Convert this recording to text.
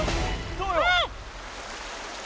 どうよ？